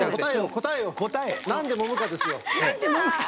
答えをなんでもむかですよ！